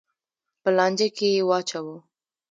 په لانجه کې یې واچوه.